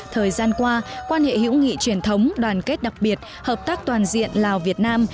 thời gian qua quan hệ hữu nghị truyền thống đoàn kết đặc biệt hợp tác toàn diện lào việt nam